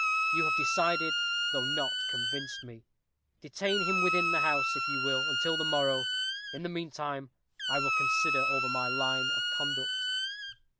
You have decided, though not convinced me. Detain him within the house, if you will, until the morrow; in the meantime, I will consider over my line of conduct."